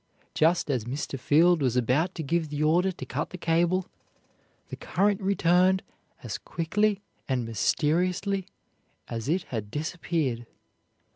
Just as Mr. Field was about to give the order to cut the cable, the current returned as quickly and mysteriously as it had disappeared.